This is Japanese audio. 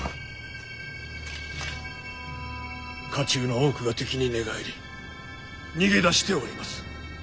家中の多くが敵に寝返り逃げ出しております。